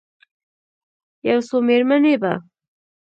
یو څو میرمنې به،